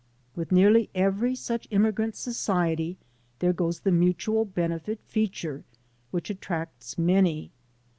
With nearly every such immigrant society there goes the mutual benefit feature which attracts many.